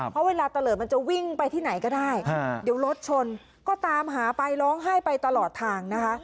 เพราะเวลาตะเลิดมันจะวิ่งไปที่ไหนก็ได้เดี๋ยวรถชนก็ตามหาไปร้องไห้ไปตลอดทางนะคะ